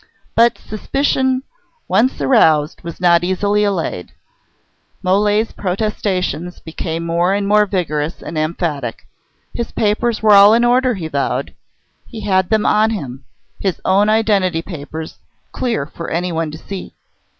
But suspicion once aroused was not easily allayed. Mole's protestations became more and more vigorous and emphatic. His papers were all in order, he vowed. He had them on him: his own identity papers, clear for anyone to see.